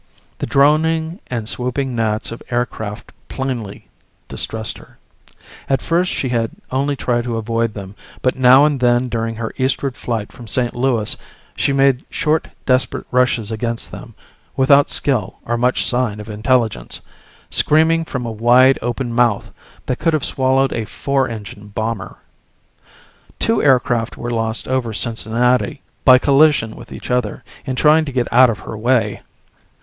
The droning and swooping gnats of aircraft plainly distressed her. At first she had only tried to avoid them, but now and then during her eastward flight from St. Louis she made short desperate rushes against them, without skill or much sign of intelligence, screaming from a wide open mouth that could have swallowed a four engine bomber. Two aircraft were lost over Cincinnati, by collision with each other in trying to get out of her way.